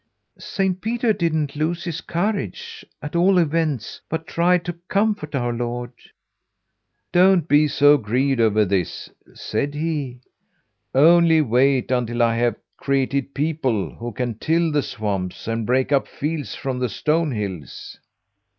"Saint Peter didn't lose his courage, at all events, but tried to comfort our Lord. 'Don't be so grieved over this!' said he. 'Only wait until I have created people who can till the swamps and break up fields from the stone hills.'